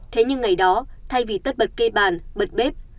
thế nhưng ngày đó thay vì tất bật kê bàn bật bếp